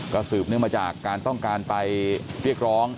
ก็สืบเนื่องมาจากการต้องการไปเรียกร้อง